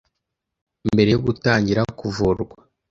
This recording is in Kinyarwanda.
mbere yo gutangira kuvurwa.